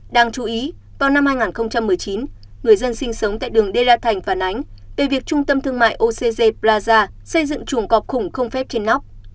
đáng chú ý vào năm hai nghìn một mươi chín người dân sinh sống tại đường đê la thành phản ánh về việc trung tâm thương mại ocg plaza xây dựng chuồng cọp khủng không phép trên nóc